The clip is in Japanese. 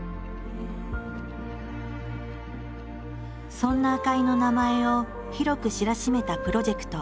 そんな赤井の名前を広く知らしめたプロジェクト。